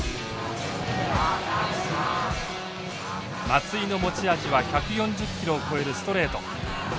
松井の持ち味は１４０キロを超えるストレート。